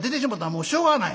もうしょうがない。